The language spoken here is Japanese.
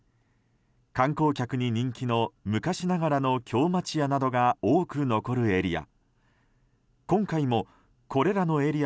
観光客に人気の昔ながらの京町家などが多く残るエリア。